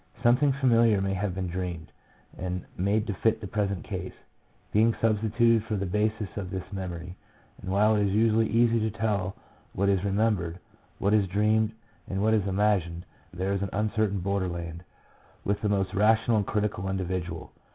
Something similar may have been dreamed, and made to fit the present case, being substituted for the basis of this memory ; and while it is usually easy to tell what is remembered, what is dreamed, and what is imagined, there is an uncertain borderland, with the most rational and critical individual.